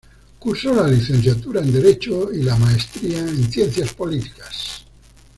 Cursó la licenciatura en derecho y la maestría en ciencias políticas.